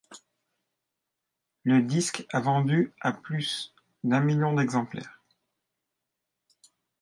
Le disque a vendu à plus d'un million d'exemplaires.